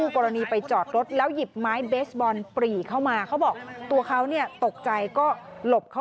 ตอนหัวข้ำคู่กรณีกลับมาพร้อมกับพวกอีก๔คนค่ะ